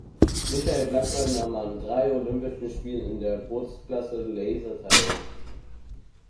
Michael Blackburn nahm an drei Olympischen Spielen in der Bootsklasse Laser teil.